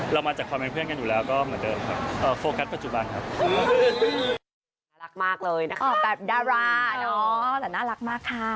เรามาจากความเป็นเพื่อนกันอยู่แล้วก็เหมือนเดิมครับโฟกัสปัจจุบันครับ